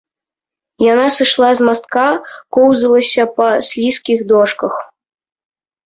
Яна сышла з мастка, коўзалася па слізкіх дошках.